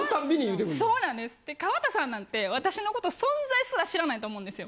川田さんなんて私のこと存在すら知らないと思うんですよ。